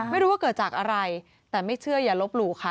ไม่รู้ว่าเกิดจากอะไรแต่ไม่เชื่ออย่าลบหลู่ค่ะ